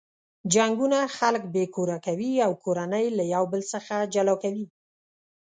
جنګونه خلک بې کوره کوي او کورنۍ له یو بل څخه جلا کوي.